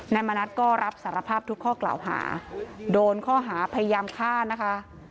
มณัฐก็รับสารภาพทุกข้อกล่าวหาโดนข้อหาพยายามฆ่านะคะ